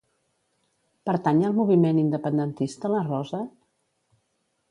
Pertany al moviment independentista la Rose?